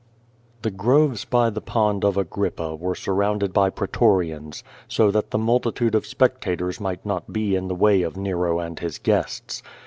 The groves by the Pond of Agrippa were surrounded by pretorians, so that the multitude of spectators might not be in the way of Nero and his guests.